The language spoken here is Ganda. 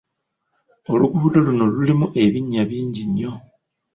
Oluguudo luno lulimu ebinnya bingi nnyo.